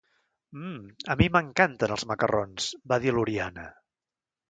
Mmm, a mi m'encanten, els macarrons! —va dir l'Oriana.